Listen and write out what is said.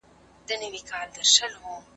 د تیروتنې وروسته باید د بیا هڅې فکر وشي.